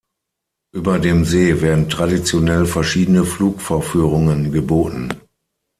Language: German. Über dem See werden traditionell verschiedene Flugvorführungen geboten.